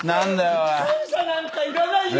感謝なんかいらないよ！